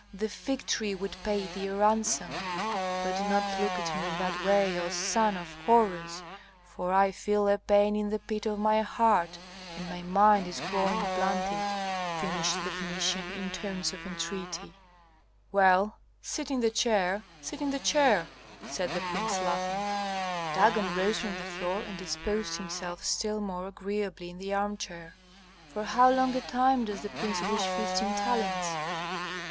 the fig tree would pay thee a ransom. But do not look at me in that way, O son of Horus, for I feel a pain in the pit of my heart and my mind is growing blunted," finished the Phœnician, in tones of entreaty. "Well, sit in the chair, sit in the chair," said the prince, laughing. Dagon rose from the floor and disposed himself still more agreeably in the armchair. "For how long a time does the prince wish fifteen talents?"